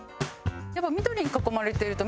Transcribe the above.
やっぱ。